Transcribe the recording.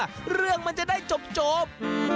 ขึ้นมาเลยล่ะเรื่องมันจะได้จบ